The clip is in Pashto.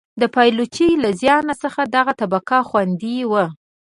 د پایلوچۍ له زیان څخه دغه طبقه خوندي وه.